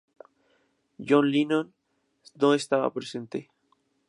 John Lennon no estaba presente.